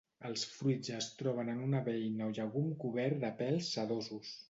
Els fruits es troben en una beina o llegum cobert de pèls sedosos.